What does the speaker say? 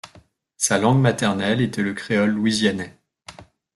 Sa langue maternelle était le créole louisianais.